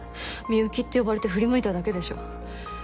ミユキって呼ばれて振り向いただけでしょ？